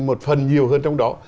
một phần nhiều hơn trong đó